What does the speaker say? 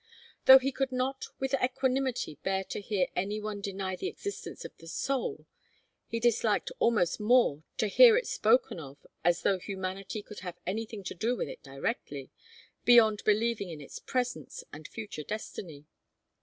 Though he could not with equanimity bear to hear any one deny the existence of the soul, he disliked almost more to hear it spoken of as though humanity could have anything to do with it directly, beyond believing in its presence and future destiny.